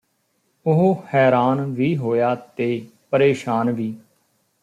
ਉਹ ਹੈਰਾਨ ਵੀ ਹੋਇਆ ਤੇ ਪਰੇਸ਼ਾਨ ਵੀ